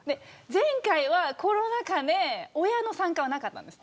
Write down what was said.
前回はコロナ禍で親の参加はなかったんです